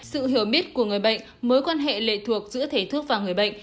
sự hiểu biết của người bệnh mối quan hệ lệ thuộc giữa thể thức và người bệnh